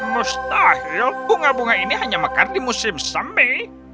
mustahil bunga bunga ini hanya mekar di musim semi